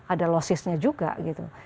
ada lossesnya juga gitu